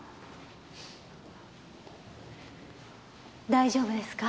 大丈夫ですか？